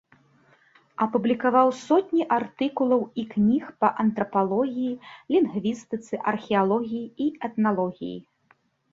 Апублікаваў сотні артыкулаў і кніг па антрапалогіі, лінгвістыцы, археалогіі і этналогіі.